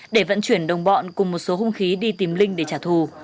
để vận chuyển đồng bọn cùng một số hung khí đi tìm linh để trả thù